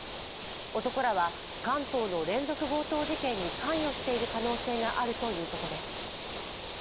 男らは関東の連続強盗事件に関与している可能性があるということです。